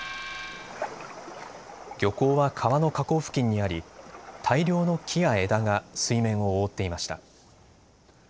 漁港は川の河口付近にあり大量の木や枝が水面を覆っていました。